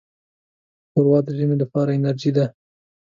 ښوروا د ژمي لپاره انرجۍ ده.